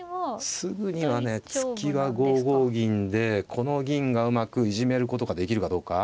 すぐにはね突きは５五銀でこの銀がうまくいじめることができるかどうか。